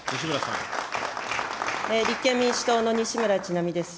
立憲民主党の西村智奈美です。